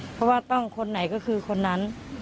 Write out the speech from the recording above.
เพราะว่าต้องคนไหนก็คือคนนั้น